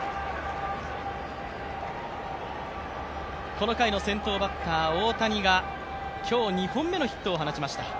この回の先頭バッター・大谷が今日２本目のヒットを放ちました。